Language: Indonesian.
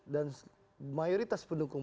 dan mayoritas pendukung